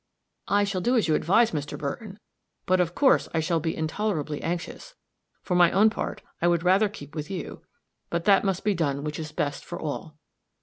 "I shall do just as you advise, Mr. Burton; but, of course, I shall be intolerably anxious. For my own part, I would rather keep with you; but that must be done which is best for all."